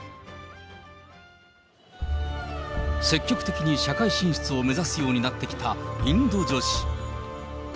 積極的に社会進出を目指すようになってきたインド女子。